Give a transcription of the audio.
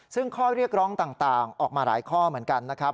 ซึ่งข้อเรียกร้องต่างออกมาหลายข้อเหมือนกันนะครับ